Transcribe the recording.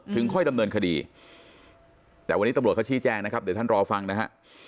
ค่อยดำเนินคดีแต่วันนี้ตำรวจเขาชี้แจ้งนะครับเดี๋ยวท่านรอฟังนะฮะ